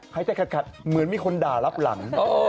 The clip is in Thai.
หายใจขัดเหมือนมีคนด่ารับหลัง